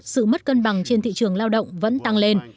sự mất cân bằng trên thị trường lao động vẫn tăng lên